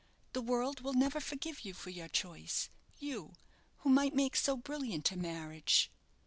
The world will never forgive you for your choice; you, who might make so brilliant a marriage!"